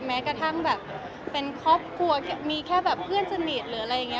แม้กระทั่งแบบเป็นครอบครัวมีแค่แบบเพื่อนสนิทหรืออะไรอย่างนี้